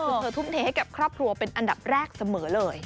คือเธอทุ่มเทให้กับครอบครัวเป็นอันดับแรกเสมอเลย